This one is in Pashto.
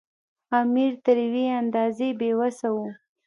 امیر تر یوې اندازې بې وسه وو.